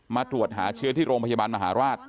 มาตรวจหาเชื้อที่โรงพยาบาลมหาราช